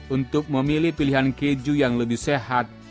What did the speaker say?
untuk memilih pilihan keju yang lebih sehat